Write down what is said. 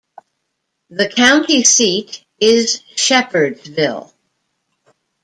The county seat is Shepherdsville.